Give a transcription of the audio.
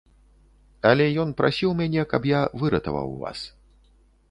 Але ён прасіў мяне, каб я выратаваў вас.